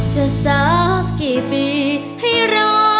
จะสักกี่ปีให้รอเริ่ม